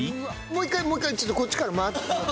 もう１回もう１回ちょっとこっちから回ってもらって。